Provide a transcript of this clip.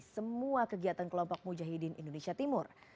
semua kegiatan kelompok mujahidin indonesia timur